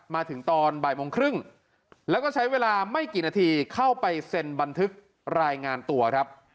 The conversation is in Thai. มาถึงตอนบ่ายโมงครึ่งแล้วก็ใช้เวลาไม่กี่นาทีเข้าไปเซ็นบันทึกรายงานตัวครับ